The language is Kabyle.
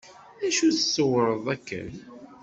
D acu tṣewwreḍ akken?